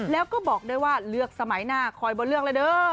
แล้วก็บอกด้วยว่าเลือกสมัยหน้าคอยบนเลือกแล้วเด้อ